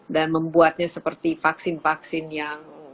dan membuatnya seperti vaksin vaksin yang